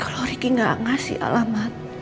kalau riki gak kasih alamat